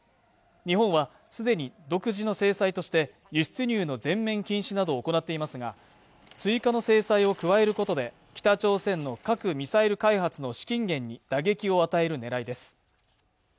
日本はすでに独自の制裁として輸出入の全面禁止などを行っていますが追加の制裁を加えることで北朝鮮の核・ミサイル開発の資金源に打撃を与えるねらいです